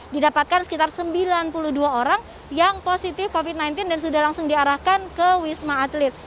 didapatkan sekitar sembilan puluh dua orang yang positif covid sembilan belas dan sudah langsung diarahkan ke wisma atlet